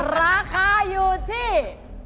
ราคาอยู่ที่